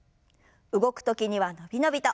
動く時には伸び伸びと。